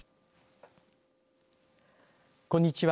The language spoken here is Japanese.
こんにちは。